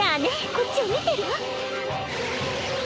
こっちを見てるわ。